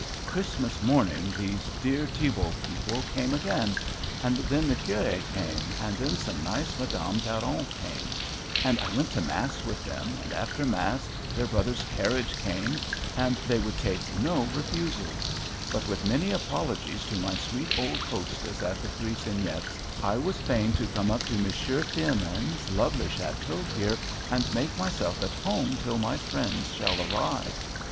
Christmas morning, these dear Thibault people came again; and then the curé came; and then some nice Madame Perrons came, and I went to mass with them; and, after mass, their brother's carriage came; and they would take no refusals; but with many apologies to my sweet old hostess, at the Three Cygnets, I was fain to come up to M. Firmin's lovely château here, and make myself at home till my friends shall arrive.